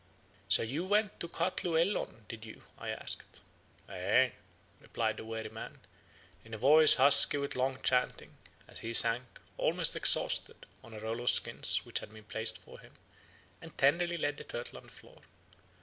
"'So you went to Ka thlu el lon, did you?' I asked. "'E'e,' replied the weary man, in a voice husky with long chanting, as he sank, almost exhausted, on a roll of skins which had been placed for him, and tenderly laid the turtle on the floor.